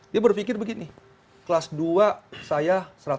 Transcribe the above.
dia berpikir begini kelas dua saya satu ratus sepuluh